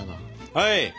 はい！